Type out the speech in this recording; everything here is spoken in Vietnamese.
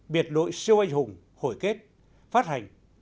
biệt đội siêu anh hùng hồi kết phát hành